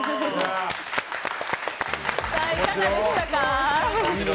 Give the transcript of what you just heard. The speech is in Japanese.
いかがでしたか？